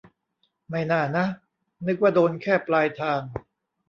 ไม่น่านะ นึกว่าโดนแค่ปลายทาง